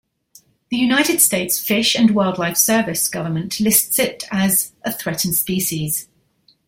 The United States Fish and Wildlife Service government lists it as a threatened species.